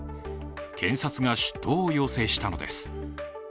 検察が出頭を要請したのです。